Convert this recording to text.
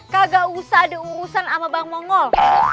kak gak usah ada urusan sama bang mongol